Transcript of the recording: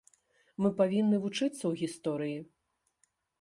Мы павінны вучыцца ў гісторыі.